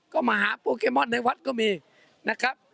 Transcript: ก็มาหาโปเกมอนในวัดก็มีนะครับ